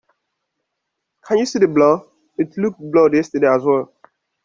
Can you see the blur? It looked blurred yesterday, as well.